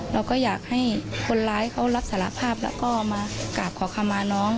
เราก็อยากให้คนร้ายเขารับสารภาพแล้วก็มากราบขอขมาน้อง